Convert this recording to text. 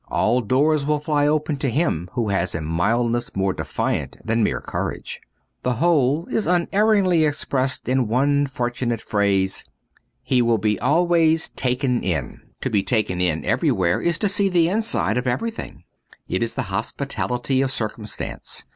All doors will fly open to him who has a mildness more defiant than mere courage. The whole is un erringly expressed in one fortunate phrase — he will be always * taken in.' To be taken in every where is to see the inside of everything. It is the hospitality of circumstance.